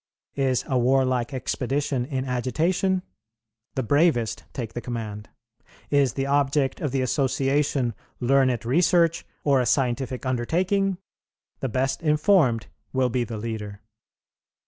Is a warlike expedition in agitation? The bravest take the command. Is the object of the association learned research, or a scientific undertaking? The best informed will be the leader.